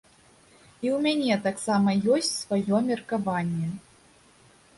І ў мяне таксама ёсць сваё меркаванне.